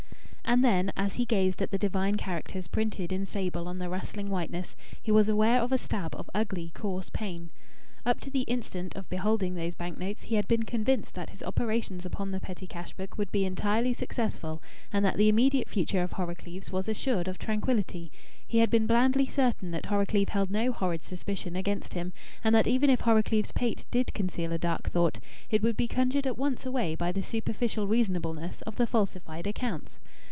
And then, as he gazed at the divine characters printed in sable on the rustling whiteness, he was aware of a stab of ugly, coarse pain. Up to the instant of beholding those bank notes he had been convinced that his operations upon the petty cash book would be entirely successful and that the immediate future of Horrocleave's was assured of tranquillity; he had been blandly certain that Horrocleave held no horrid suspicion against him, and that even if Horrocleave's pate did conceal a dark thought, it would be conjured at once away by the superficial reasonableness of the falsified accounts.